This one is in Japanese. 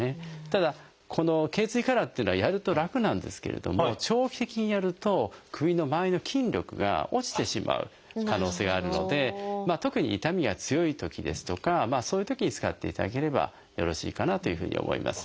ただこの頚椎カラーっていうのはやると楽なんですけれども長期的にやると首のまわりの筋力が落ちてしまう可能性があるので特に痛みが強いときですとかそういうときに使っていただければよろしいかなというふうに思います。